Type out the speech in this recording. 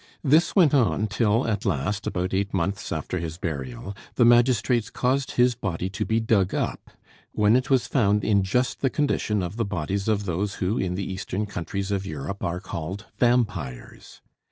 This went on till at last, about eight months after his burial, the magistrates caused his body to be dug up; when it was found in just the condition of the bodies of those who in the eastern countries of Europe are called vampires.